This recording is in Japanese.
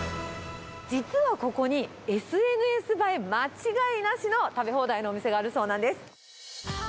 実はここに、ＳＮＳ映え間違いなしの食べ放題のお店があるそうなんです。